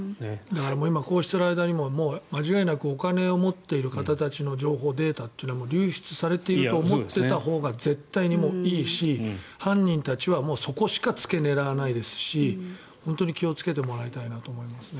今、こうしている間にも間違いなくお金を持っている人たちの情報、データというのはもう流出されていると思っていたほうが絶対に犯人たちはそこしか付け狙わないですし本当に気をつけてもらいたいなと思いますね。